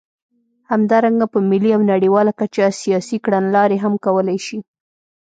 همدارنګه په ملي او نړیواله کچه سیاسي کړنلارې هم کولای شي.